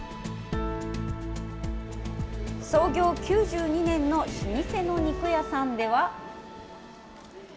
創業９２年の老舗の肉屋さんでは。